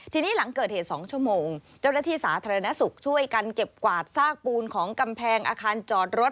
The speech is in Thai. ทีนี้หลังเกิดเหตุ๒ชั่วโมงเจ้าหน้าที่สาธารณสุขช่วยกันเก็บกวาดซากปูนของกำแพงอาคารจอดรถ